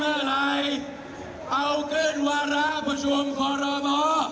เพื่ออะไรเอาขึ้นวาระประชุมขอรบอ